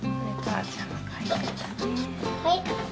はい。